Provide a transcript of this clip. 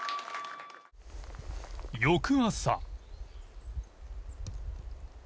翌朝。